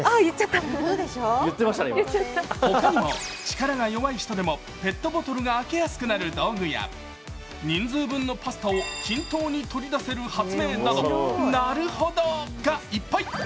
他にも力が弱い人でもペットボトルが開けやすくなる道具や人数分のパスタを均等に取り出せる発明など「なるほど」がいっぱい！